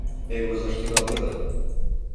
Тый возаш тӱҥал веле.